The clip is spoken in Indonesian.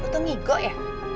tunggu ngo ya